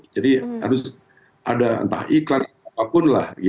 jadi harus ada entah iklan apapun lah